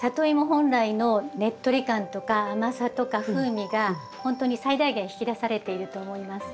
本来のねっとり感とか甘さとか風味がほんとに最大限引き出されていると思います。